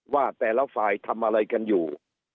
ว่าแต่ละฝ่ายทำอะไรกันอยู่